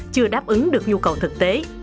chưa đáp ứng được nhu cầu thực tế